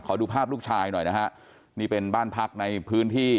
ดูภาพลูกชายหน่อยนะฮะนี่เป็นบ้านพักในพื้นที่